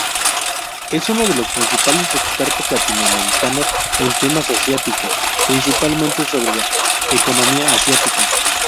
Es uno de los principales expertos latinoamericanos en temas asiáticos, principalmente sobre economía asiática.